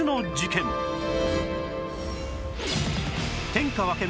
天下分け目！